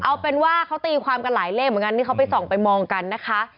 เอาเป็นว่าเขาตีความกันหลายเลขเหมือนกันนี่เขาไปส่องไปมองกันนะคะ